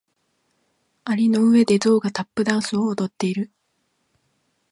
蟻の上でゾウがタップダンスを踊っている。